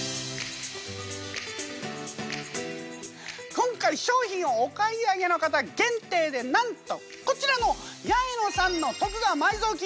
今回商品をお買い上げの方限定でなんとこちらの八重野さんの徳川埋蔵金